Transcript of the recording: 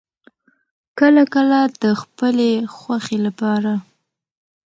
کله کله د خپلې خوښې لپاره